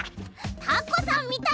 タコさんみたい。